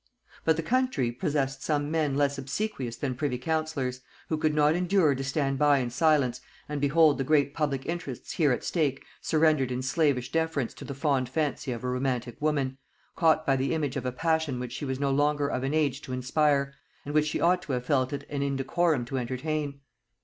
_] But the country possessed some men less obsequious than privy councillors, who could not endure to stand by in silence and behold the great public interests here at stake surrendered in slavish deference to the fond fancy of a romantic woman, caught by the image of a passion which she was no longer of an age to inspire, and which she ought to have felt it an indecorum to entertain.